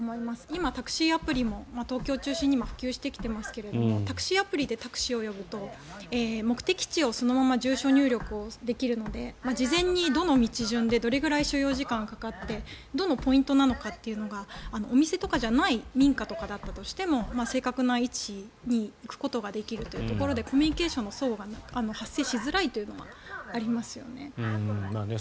今、タクシーアプリも東京を中心に普及してきていますけれどタクシーアプリでタクシーを呼ぶと目的地をそのまま住所入力できるので事前にどの道順でどのぐらい所要時間がかかってどのポイントなのかというのがお店とかじゃない民家とかだったりしても正確な位置に行くことができるというところでコミュニケーションの齟齬が発生しづらいというのはありますよね。